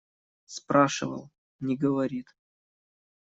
Спрашивал – не говорит.